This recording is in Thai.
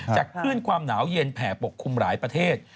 คลื่นความหนาวเย็นแผ่ปกคลุมหลายประเทศ